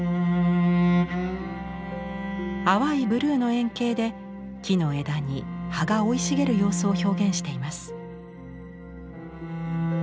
淡いブルーの円形で木の枝に葉が生い茂る様子を表現しています。